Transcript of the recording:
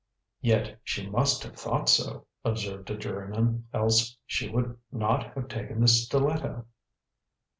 "Yet she must have thought so," observed a juryman, "else she would not have taken the stiletto."